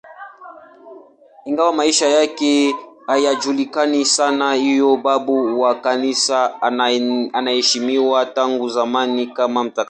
Ingawa maisha yake hayajulikani sana, huyo babu wa Kanisa anaheshimiwa tangu zamani kama mtakatifu.